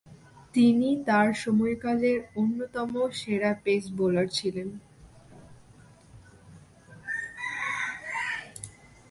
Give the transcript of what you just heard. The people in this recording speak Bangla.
তিনি তার সময়কালের অন্যতম সেরা পেস বোলার ছিলেন।